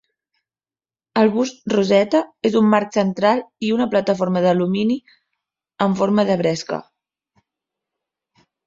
El bus "Rosetta" és un marc central i una plataforma d'alumini amb forma de bresca.